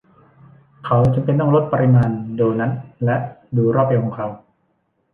เขาจำเป็นต้องลดปริมาณโดนัทและดูรอบเอวของเขา